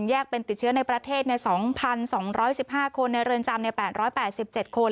แยกเป็นติดเชื้อในประเทศ๒๒๑๕คนในเรือนจำ๘๘๗คน